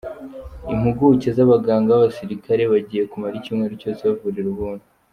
Impuguke z’abaganga b’abasirikare bagiye kumara icyumweru cyose bavurira ubuntu.